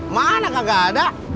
mana kagak ada